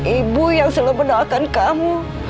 ibu yang selalu mendoakan kamu